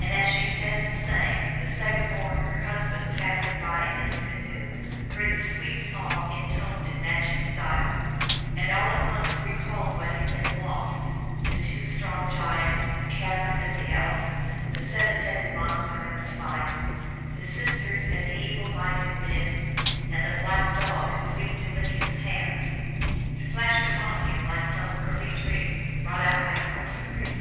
And as she sat and sang, the sagamore her husband, THE THREE STRONG MEN. 319 paddling by in his canoe, heard the sweet song in toned in magic style, 1 and all at once recalled what had been lost, the two strong giants, the cavern and the elf, the seven headed monster and the fight, the sisters and the evil minded men, and the black dog who leaped to lick his hand : it flashed upon him like some early dream brought out by sorcery.